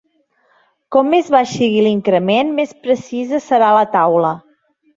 Com més baix sigui l'increment, més precisa serà la taula.